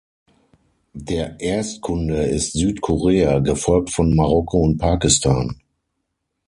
Der Erstkunde ist Südkorea, gefolgt von Marokko und Pakistan.